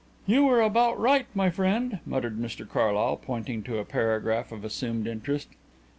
"You were about right, my friend," muttered Mr Carlyle, pointing to a paragraph of assumed interest.